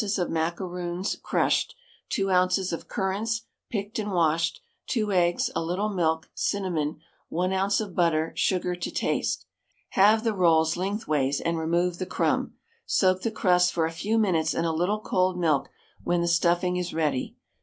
of macaroons crushed, 2 oz. of currants, picked and washed, 2 eggs, a little milk, cinnamon, 1 oz. of butter, sugar to taste. Halve the rolls lengthways and remove the crumb; soak the crusts for a few minutes in a little cold milk when the stuffing is ready.